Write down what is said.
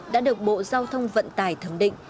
đã được bộ giao thông vận tải thẩm định